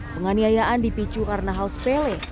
penganiayaan dipicu karena hal sepele